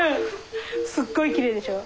すっごいきれいでしょう。